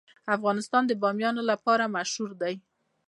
افغانستان د بامیان لپاره مشهور دی.